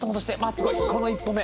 すごいこの一歩目。